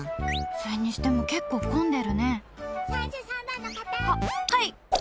それにしても結構混んでるね。